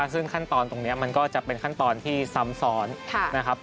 ซึ่งขั้นตอนตรงนี้มันก็จะเป็นขั้นตอนที่ซ้ำซ้อนนะครับ